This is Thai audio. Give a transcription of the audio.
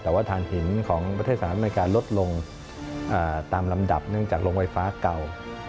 แต่ว่าฐานหินของประเทศสหรัฐอเมริกาลดลงตามลำดับเนื่องจากโรงไฟฟ้าเก่า